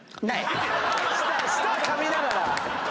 舌かみながら。